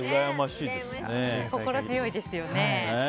心強いですよね。